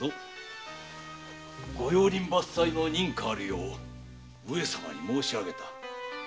御用林伐採の認可あるよう上様に申しあげた。